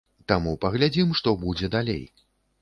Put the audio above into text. Таму паглядзім, што будзе далей.